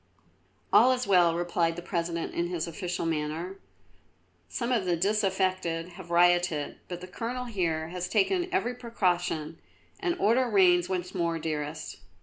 "All is well," replied the President in his official manner. "Some of the disaffected have rioted, but the Colonel here has taken every precaution and order reigns once more, dearest."